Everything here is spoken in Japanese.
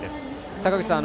坂口さん